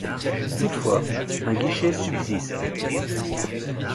Toutefois, un guichet subsiste.